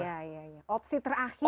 iya opsi terakhir